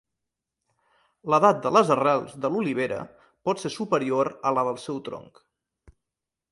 L'edat de les arrels de l'olivera pot ser superior a la del seu tronc.